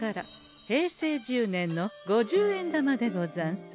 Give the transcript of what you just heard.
平成１０年の五十円玉でござんす。